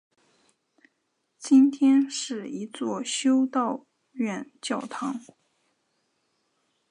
今天是一座修道院教堂。